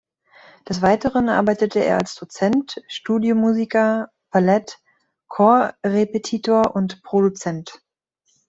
Des Weiteren arbeitete er als Dozent, Studiomusiker, Ballett-Korrepetitor und Produzent.